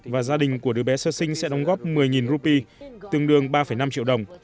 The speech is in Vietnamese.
và gia đình của đứa bé sơ sinh sẽ đóng góp một mươi rupee tương đương ba năm triệu đồng